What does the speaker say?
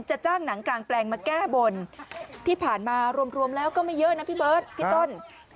จ้างหนังกลางแปลงมาแก้บนที่ผ่านมารวมแล้วก็ไม่เยอะนะพี่เบิร์ตพี่ต้น